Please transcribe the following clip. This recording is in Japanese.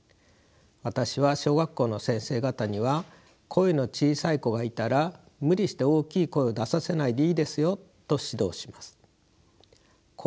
私は小学校の先生方には声の小さい子がいたら無理して大きい声を出させないでいいですよと指導します。